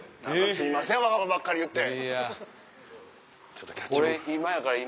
すいませんわがままばっかり言って。